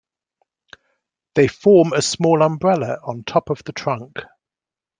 They form a small "umbrella" on top of the trunk.